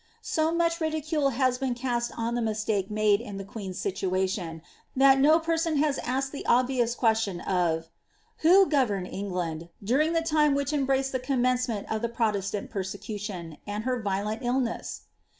So much lidicule has been cast on the mistake made in the qaeei^ situation, that no person has asked the obvious question of — ^Who go verned England, during the time which embmced the commencemeDt of the Protestant persecution, and her violent illness